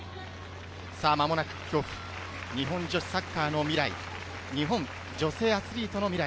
日本女子サッカーの未来、日本女性アスリートの未来、